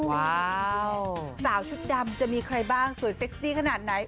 สาวชุดดำจะมีใครบ้างสวยเซ็กซี่ขนาดไหน